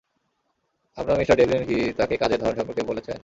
আপনার mister Devlin কি তাকে কাজের ধরন সম্পর্কে বলেছেন?